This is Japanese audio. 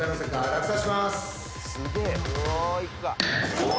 落札します。